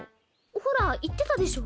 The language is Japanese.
ほら言ってたでしょ。